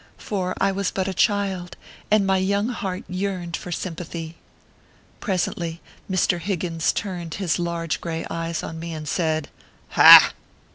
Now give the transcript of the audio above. For I was but a child, and my young heart yearned for sympathy. Presently, Mr. Higgins turned his large gray eyes on me, and said :" Ha